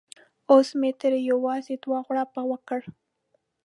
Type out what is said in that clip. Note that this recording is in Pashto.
اوس مې ترې یوازې دوه غړپه وکړه.